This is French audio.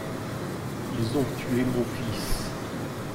Ils ont tué mon fils!